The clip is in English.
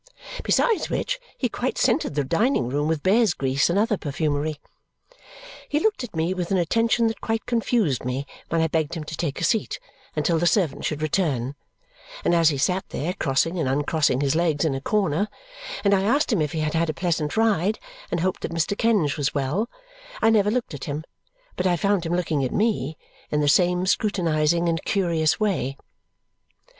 Besides which, he quite scented the dining room with bear's grease and other perfumery. He looked at me with an attention that quite confused me when I begged him to take a seat until the servant should return; and as he sat there crossing and uncrossing his legs in a corner, and I asked him if he had had a pleasant ride, and hoped that Mr. Kenge was well, I never looked at him, but I found him looking at me in the same scrutinizing and curious way.